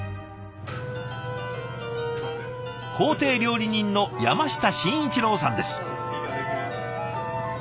公邸料理人の山下真一郎さんです。